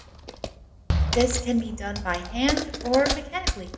This can be done by hand or mechanically.